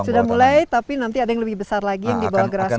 sudah mulai tapi nanti ada yang lebih besar lagi yang dibawa gerasi